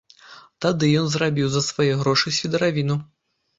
Тады ён зрабіў за свае грошы свідравіну.